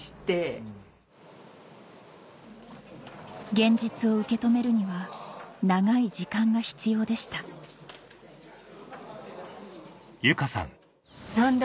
現実を受け止めるには長い時間が必要でしたって思って。